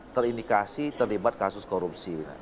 terindikasi terlibat kasus korupsi